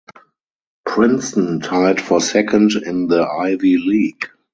Princeton tied for second in the Ivy League.